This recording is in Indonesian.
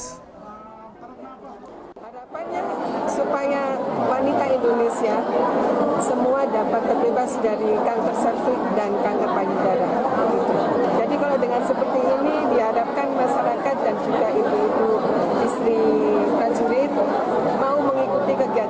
harapannya supaya wanita indonesia semua dapat terbebas dari